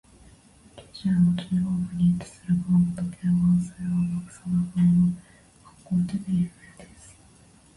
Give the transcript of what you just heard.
九州の中央部に位置する熊本県は、阿蘇や天草などの観光地で有名です。